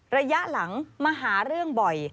ระยะหลังมาหาเรื่องบ่อย